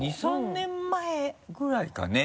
２３年前ぐらいかね？